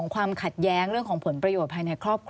แล้วเขาสร้างเองว่าห้ามเข้าใกล้ลูก